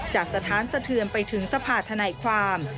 สถานสะเทือนไปถึงสภาธนายความ